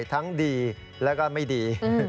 ทั้งดีแล้วก็ไม่ดี